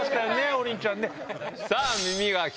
王林ちゃん。